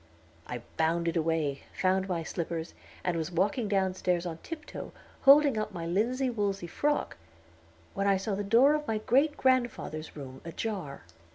I bounded away, found my slippers, and was walking down stairs on tiptoe, holding up my linsey woolsey frock, when I saw the door of my great grandfather's room ajar.